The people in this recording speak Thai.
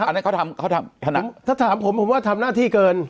อันนั้นเขาทำถ้าถามผมผมว่าทำหน้าที่เกิน